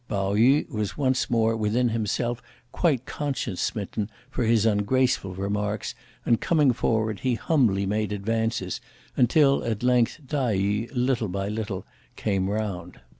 Pao yü was once more within himself quite conscience smitten for his ungraceful remarks, and coming forward, he humbly made advances, until, at length, Tai yü little by little came round.